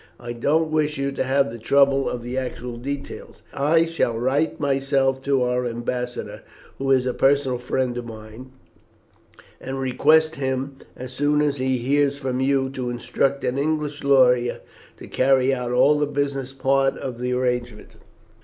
I don't wish you to have the trouble of the actual details. I shall write myself to our ambassador, who is a personal friend of mine, and request him, as soon as he hears from you, to instruct an English lawyer to carry out all the business part of the arrangement."